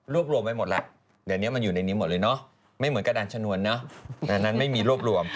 รวมไว้หมดแล้วเดี๋ยวนี้มันอยู่ในนี้หมดเลยเนาะไม่เหมือนกระดานชนวนเนอะอันนั้นไม่มีรวบรวม